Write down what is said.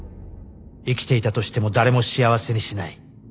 生きていたとしても誰も幸せにしない